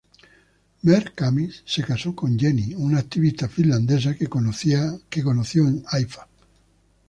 Mer-Khamis se casó con Jenny, una activista finlandesa que conoció en Haifa.